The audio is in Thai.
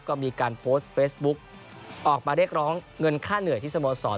ก็มีการโพสต์เฟซบุ๊กออกมาเรียกร้องเงินค่าเหนื่อยที่สโมสร